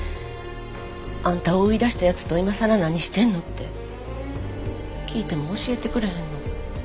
「あんたを追い出した奴と今さら何してんの？」って聞いても教えてくれへんの。